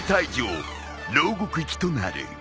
牢獄行きとなる。